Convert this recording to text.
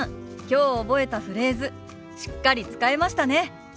きょう覚えたフレーズしっかり使えましたね。